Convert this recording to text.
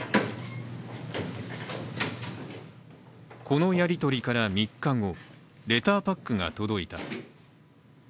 このやり取りから３日後レターパックが届いた。